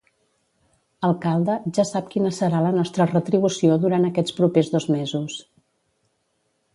Alcalde, ja sap quina serà la nostra retribució durant aquests propers dos mesos.